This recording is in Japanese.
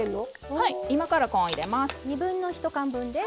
はい今からコーンを入れます。